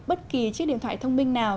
bất kỳ chiếc điện thoại thông minh nào